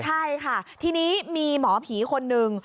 ใช่ค่ะทีนี้มีหมอผีคนหนึ่ง